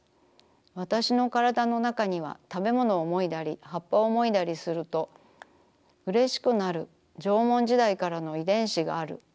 わたしのからだのなかにはたべものをもいだり葉っぱをもいだりするとうれしくなる縄文時代からの遺伝子がある。